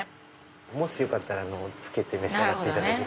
もしよかったらつけて召し上がっていただいて。